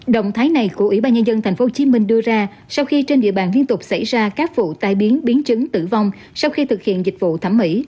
động thái này của ủy ban nhân dân tp hcm đưa ra sau khi trên địa bàn liên tục xảy ra các vụ tai biến biến chứng tử vong sau khi thực hiện dịch vụ thẩm mỹ